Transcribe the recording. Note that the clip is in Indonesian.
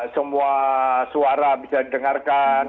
semua suara bisa didengarkan